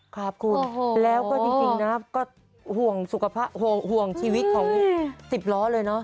ครับคุณแล้วก็จริงนะครับก็ห่วงสุขภาพห่วงชีวิตเขา๑๐ล้อเลยเนอะ